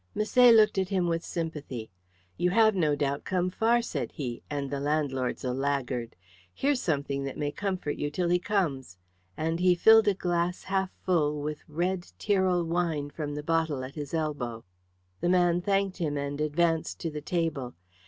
Misset looked at him with sympathy. "You have no doubt come far," said he; "and the landlord's a laggard. Here's something that may comfort you till he comes;" and he filled a glass half full with red Tyrol wine from the bottle at his elbow. The man thanked him and advanced to the table.